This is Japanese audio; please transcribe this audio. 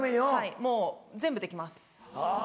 もう全部できます。